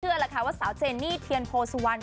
เชื่อละคะว่าสาวเจนี่เทียนโพสวัน